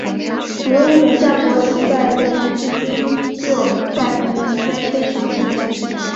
由日本战国时代流传至今依旧在平民之间非常盛行。